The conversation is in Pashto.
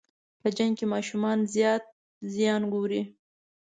په جنګ کې ماشومان زیات زیان ګوري.